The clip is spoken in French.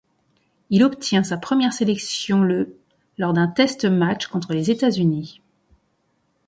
Il obtient sa première sélection le lors d'un test match contre les États-Unis.